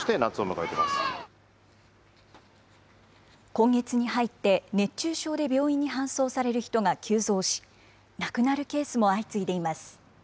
今月に入って、熱中症で病院に搬送される人が急増し、亡くなるケースも相次いでいます。